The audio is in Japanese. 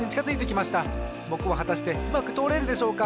ぼくははたしてうまくとおれるでしょうか。